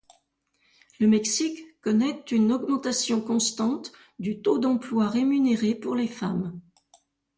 Le Mexique connaît une augmentation constante du taux d’emplois rémunérés pour les femmes.